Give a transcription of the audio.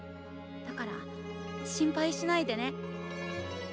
だから心配しないでね。